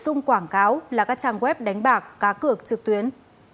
dung quảng cáo là các trang web đánh bạc cá cược trực tuyến